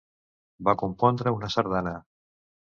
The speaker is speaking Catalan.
Va compondre una sardana.